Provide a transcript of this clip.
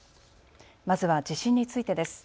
まずは地震についてです。